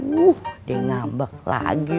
aduh dia ngambek lagi